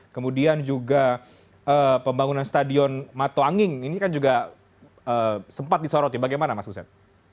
kemudian juga pembangunan stadion matuanging ini kan juga sempat disoroti bagaimana mas guset